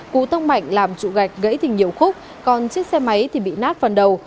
cú tông mạnh làm trụ gạch gãy thì nhiều khúc còn chiếc xe máy thì bị nát phần đầu